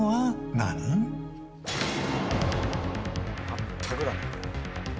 全くだね。